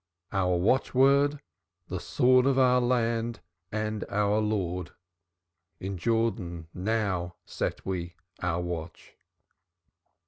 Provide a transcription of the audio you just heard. Our watchword, 'The sword Of our land and our Lord' In Jordan NOW set we our watch."